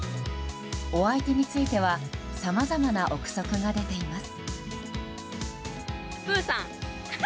お相手についてはさまざまな憶測が出ています。